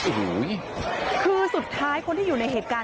โอ้โหคือสุดท้ายคนที่อยู่ในเหตุการณ์